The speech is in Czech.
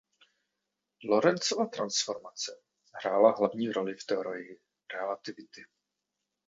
Lorenzova transformace hrála hlavní roli v teorii relativity.